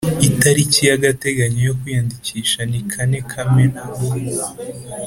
Itariki y agateganyo yo kwiyandikisha ni kane kamena